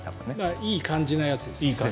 いい感じのやつですね。